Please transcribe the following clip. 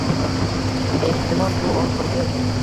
Ehtimol, bu oxirgi